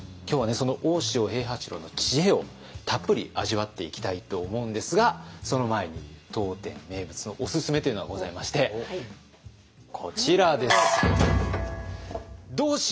その大塩平八郎の知恵をたっぷり味わっていきたいと思うんですがその前に当店名物のオススメというのがございましてこちらです。